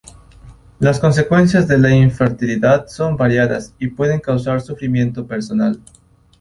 Las consecuencias de la infertilidad son variadas y pueden causar sufrimiento personal.